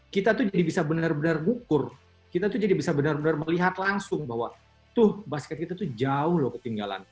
kita tuh jadi bisa benar benar ngukur kita tuh jadi bisa benar benar melihat langsung bahwa tuh basket kita tuh jauh loh ketinggalan